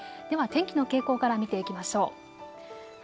では天気の傾向から見ていきましょう。